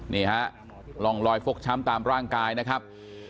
นี่ฮะร่องรอยฟกช้ำตามร่างกายนะครับ